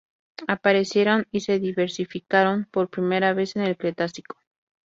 Aparecieron y se diversificaron por primera vez en el Cretácico.